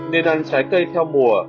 nên ăn trái cây theo mùa